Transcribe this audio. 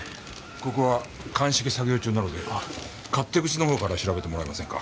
ここは鑑識作業中なので勝手口の方から調べてもらえませんか？